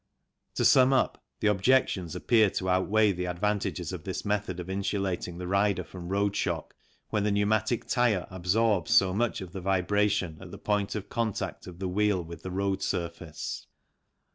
To sum up, the objections appear to outweigh the advantages of this method of insulating the rider from road shock when the pneumatic tyre absorbs so much of the vibration at the point of contact of the wheel with the road surface.